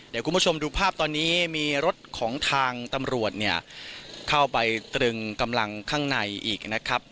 เดี๋ยวคุณผู้ชมดูภาพตอนนี้มีรถของทางตำรวจเนี่ยเข้าไปตรึงกำลังข้างในอีกนะครับ